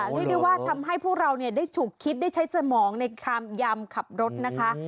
เรียกได้ว่าทำให้พวกเราได้ฉุกคิดได้ใช้สมองในความยามขับรถนะคะ